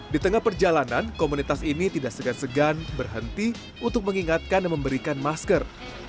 di tengah perjalanan komunitas ini tidak segan segan berhenti untuk mengingatkan dan memberikan masker